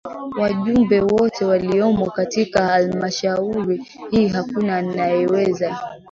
wajumbe wote waliomo katika halmashauri hii hakuna anayeweza